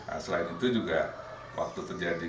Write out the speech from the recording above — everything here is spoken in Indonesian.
jadi blok sini bergerak ke sana